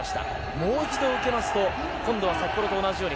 もう一度、受けますと先ほどと同じように。